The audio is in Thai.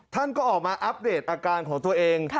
ท่านก็ออกมาอัปเดตอาการของตัวเอง